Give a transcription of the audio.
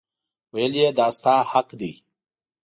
ویل یې دا ستا حق دی.